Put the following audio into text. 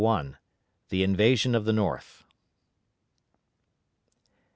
THE INVASION OF THE NORTH.